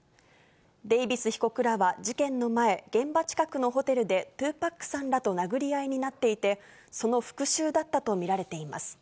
デイビス被告らは事件の前、現場近くのホテルで、２パックさんらと殴り合いになっていて、その復しゅうだったと見られています。